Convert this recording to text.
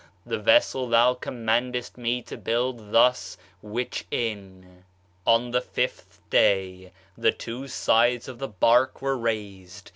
the vessel thou commandest me to build [thus] which in...." "'On the fifth day [the two sides of the bark] were raised.